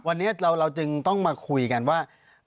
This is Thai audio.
วันนี้เราจึงต้องมาคุยกันว่า